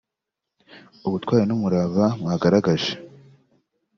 ubutwali n’umurava mwagaragaje